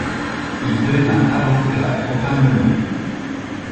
Il devint avocat au Parlement.